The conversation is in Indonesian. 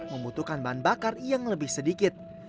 membutuhkan bahan bakar yang lebih sedikit